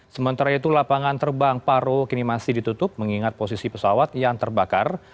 sementara itu lapangan terbang paro kini masih ditutup mengingat posisi pesawat yang terbakar